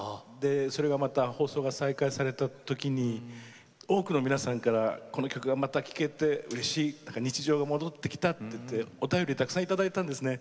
それがまた放送が再開された時に多くの皆さんからこの曲がまた聴けてうれしい日常が戻ってきたといってお便り、たくさんいただいたんですね。